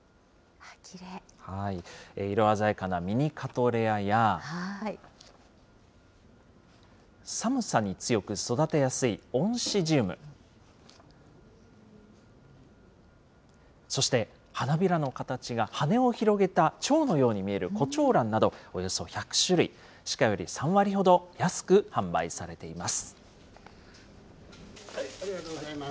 色鮮やかなミニカトレアや、寒さに強く育てやすいオンシジウム、そして花びらの形が羽を広げたちょうのように見えるコチョウランなど、およそ１００種類、市価より３割ほど安く販売されています。